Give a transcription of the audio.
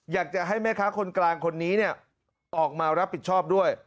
อยากจะให้แม่ค้าคนกลางคนนี้ออกมารับผิดชอบด้วย